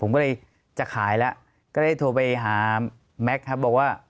ผมก็เลยจะขายแล้วก็ได้โทรไปหาแม็กซ์ครับบอกว่า